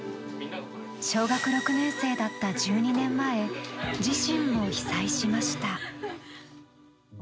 小学６年生だった１２年前自身も被災しました。